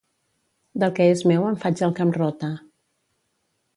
Del que és meu en faig el que em rota.